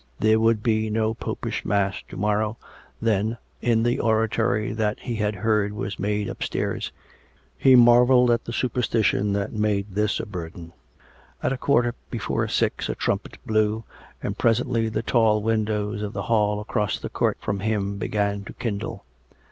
There would be no Popish mass to morrow, then, in the oratory that he had COME RACK! COME ROPE! 331 heard was made upstairs. ,.. He marvelled at the super stition that made this a burden. ... At a quarter before six a trumpet blew, and presently the tall windows of the hall across the court from him began to kindle.